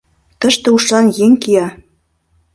Тыште ушан еҥ кия.